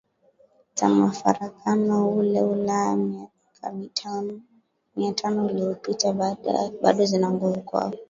za mafarakano kule Ulaya miaka Mia tano iliyopita bado zina nguvu kwao